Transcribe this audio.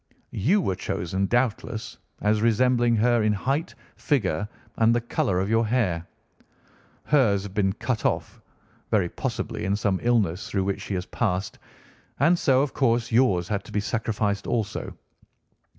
You were chosen, doubtless, as resembling her in height, figure, and the colour of your hair. Hers had been cut off, very possibly in some illness through which she has passed, and so, of course, yours had to be sacrificed also.